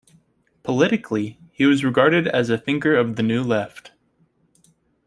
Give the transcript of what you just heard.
Politically, he was regarded as a thinker of the New Left.